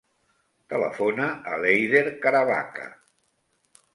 Telefona a l'Eider Caravaca.